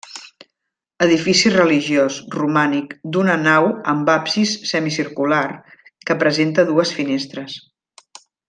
Edifici religiós, romànic, d'una nau amb absis semicircular que presenta dues finestres.